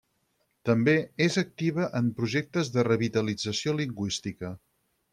També és activa en projectes de revitalització lingüística.